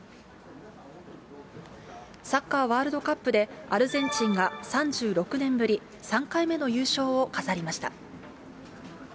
サッカーワールドカップで、アルゼンチンが３６年ぶり、３回目の優勝を飾りました。